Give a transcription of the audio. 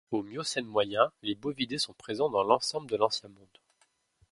Au Miocène moyen, les bovidés sont présents dans l'ensemble de l'Ancien Monde.